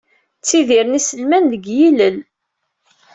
Ttidiren iselman deg yilel.